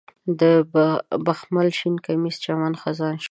د بخمل د شین کمیس چمن خزان شو